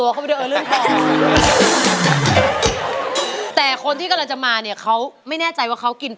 เข้าไปเตี๊ยวเอาเรื่องของ